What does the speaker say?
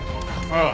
ああ。